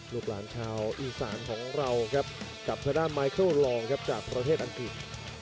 ลูกหลานชาวอีสานของเราครับกับทางด้านไมเคิลรองครับจากประเทศอังกฤษ